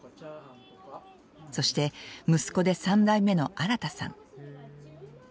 そして息子で３代目の新さん。